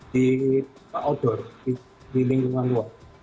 di outdoor di lingkungan luar